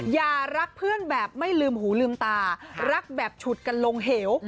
อย่ารักเพื่อนแบบไม่ลืมหูลืมตารักแบบฉุดกันลงเหว